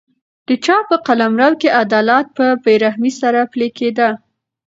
د پاچا په قلمرو کې عدالت په بې رحمۍ سره پلی کېده.